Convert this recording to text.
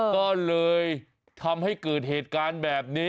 ก็เลยทำให้เกิดเหตุการณ์แบบนี้